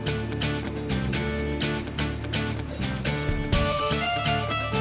masjid enggak mau doang